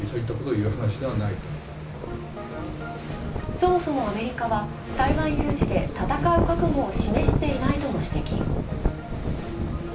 そもそもアメリカは、台湾有事で戦う覚悟を示していないと指摘。